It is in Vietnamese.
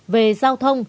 về giao thông